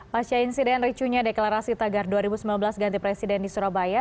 pasca insiden ricunya deklarasi tagar dua ribu sembilan belas ganti presiden di surabaya